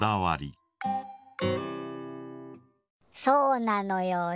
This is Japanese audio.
そうなのよ。